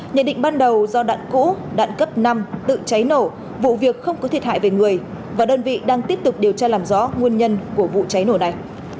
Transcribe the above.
nhận định ban đầu do đạn cũ đạn cấp năm tự cháy nổ vụ việc không có thiệt hại về người và đơn vị đang tiếp tục điều tra làm rõ nguồn nhân của vụ cháy nổ này